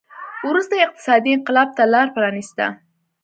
وروسته یې اقتصادي انقلاب ته لار پرانېسته.